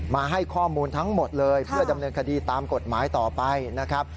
มาให้ข้อมูลทั้งหมดเลยเพื่อดำเนินคดีตามกฎหมายต่อไปนะครับ